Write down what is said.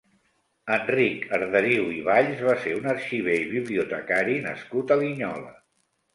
Enric Arderiu i Valls va ser un arxiver i bibliotecari nascut a Linyola.